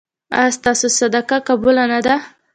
ایا ستاسو صدقه قبوله نه ده؟